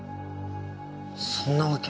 そんなわけ。